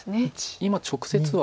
今直接は。